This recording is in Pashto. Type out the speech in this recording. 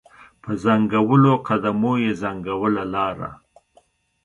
په ځنګولو قدمو یې ځنګوله لاره